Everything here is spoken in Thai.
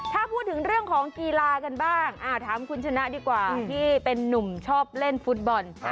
ถ้าพูดถึงเรื่องของกีฬากันบ้างถามคุณชนะดีกว่าที่เป็นนุ่มชอบเล่นฟุตบอล